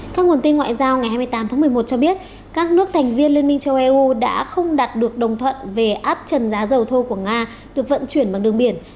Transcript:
các nguồn tin ngoại giao ngày hai mươi tám tháng một mươi một cho biết các nước thành viên liên minh châu âu đã không đạt được đồng thuận về áp trần giá dầu thô của nga được vận chuyển bằng đường biển